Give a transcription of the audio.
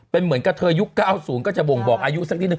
เป็นเหมือนกระเทยยุคเก้าสูงก็จะบ่งบอกอายุสักนิดนึง